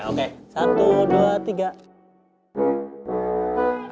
oke siap ya oke